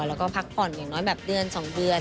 แล้วก็พักผ่อนอย่างน้อยแบบเดือน๒เดือน